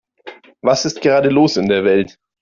Was ist gerade los in der Welt?